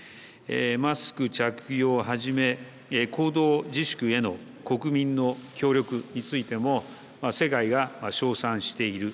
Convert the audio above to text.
マスク着用をはじめ行動自粛への国民の協力についても世界が称賛している。